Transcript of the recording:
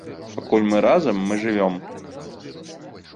Пакуль мы разам, мы жывём!